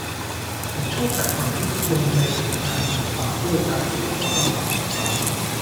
ผมชอบใส่ความคิดลงในผลงานศิลปะ ด้วยการเขียนข้อความหลายข้อความ